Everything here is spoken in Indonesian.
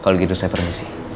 kalau gitu saya permisi